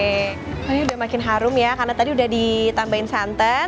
ini udah makin harum ya karena tadi udah ditambahin santan